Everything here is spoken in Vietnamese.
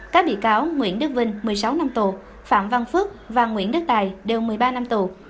các bị cáo nguyễn đức vinh một mươi sáu năm tù phạm văn phước và nguyễn đức tài đều một mươi ba năm tù